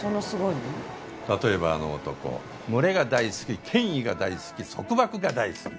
例えばあの男群れが大好き権威が大好き束縛が大好き！